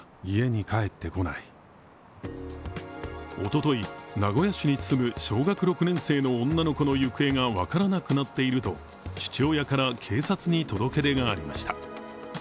おととい、名古屋市に住む小学６年生の女の子の行方が分からなくなっていると父親から警察に届け出がありました。